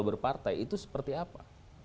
berpartai itu seperti apa